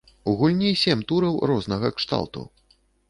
У гульні сем тураў рознага кшталту.